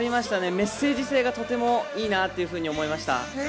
メッセージ性がすごくいいなと思いました。